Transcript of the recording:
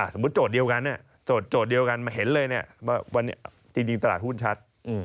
โจทย์เดียวกันโจทย์เดียวกันมาเห็นเลยว่าวันนี้จริงตลาดหุ้นชัด